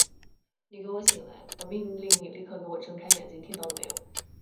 你给我醒来！我命令你立刻给我睁开眼睛，听到了没有！